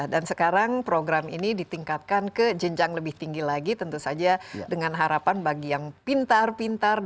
dan sekarang program ini ditingkatkan ke jenjang lebih tinggi lagi tentu saja dengan harapan bagi yang pintar pintar